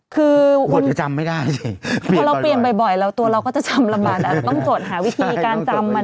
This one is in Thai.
คือพอเราเปลี่ยนบ่อยแล้วตัวเราก็จะจำละมันต้องโจทย์หาวิธีการจำ